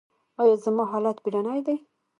ایا زما حالت بیړنی دی؟